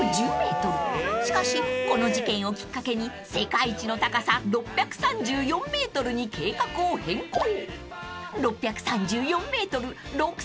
［しかしこの事件をきっかけに世界一の高さ６３４ｍに計画を変更］